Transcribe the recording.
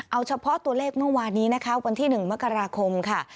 เอาเฉพาะตัวเลขเมื่อวานนี้นะคะวันที่๑มกราคมค่ะ